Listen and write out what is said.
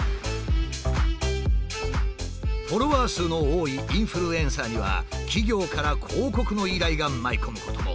フォロワー数の多いインフルエンサーには企業から広告の依頼が舞い込むことも。